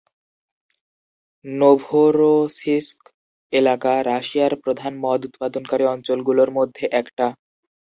Novorossiysk এলাকা রাশিয়ার প্রধান মদ উৎপাদনকারী অঞ্চলগুলোর মধ্যে একটা।